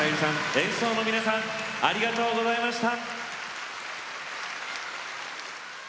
演奏の皆さんありがとうございました。